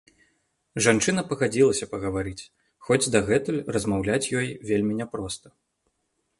Жанчына пагадзілася пагаварыць, хоць дагэтуль размаўляць ёй вельмі няпроста.